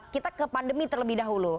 kita ke pandemi terlebih dahulu